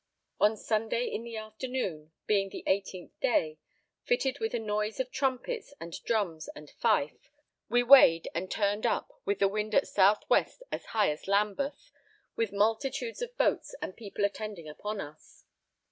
On Sunday in the afternoon, being the 18th day, fitted with a noise of trumpets and drums and fife, we weighed and turned up with the wind at south west as high as Lambeth, with multitudes of boats and people attending upon us.